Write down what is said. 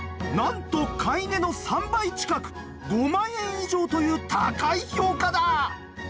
なんと買い値の３倍近く５万円以上という高い評価だ！